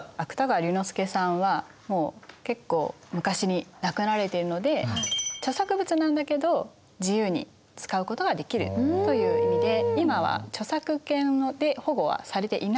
芥川龍之介さんはもう結構昔に亡くなられているので著作物なんだけど自由に使うことができるという意味で今は著作権で保護はされていないということですね。